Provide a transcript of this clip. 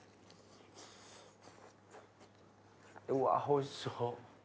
うわおいしそう。